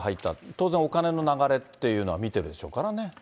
当然、お金の流れっていうのは見てるでしょうからね。